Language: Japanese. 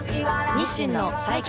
日清の最強